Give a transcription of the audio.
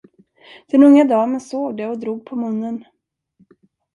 Den unga damen såg det och drog på munnen.